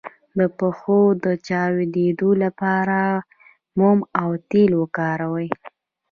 د پښو د چاودیدو لپاره موم او تېل وکاروئ